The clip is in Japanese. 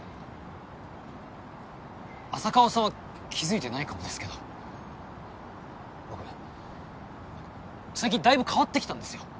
浅川さんは気付いてないかもですけど僕あの最近だいぶ変わってきたんですよ。